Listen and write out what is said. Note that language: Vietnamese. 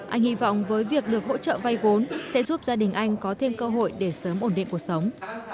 anh hy vọng với việc được hỗ trợ vay vốn sẽ giúp gia đình anh có thêm cơ hội để sớm ổn định cuộc sống